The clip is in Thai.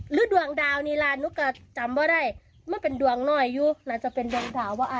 หรือดวงดาวนี่แหละนุ๊กก็จำไม่ได้มันเป็นดวงหน่อยอยู่น่าจะเป็นดวงดาวบ้าไอ